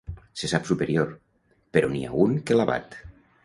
Se sap superior, però n'hi ha un que l'abat.